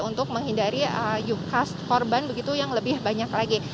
untuk menghindari kas korban begitu yang lebih banyak lagi